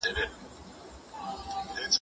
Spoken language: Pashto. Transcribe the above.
د بيلګي په توګه ميرمني ته ووايي.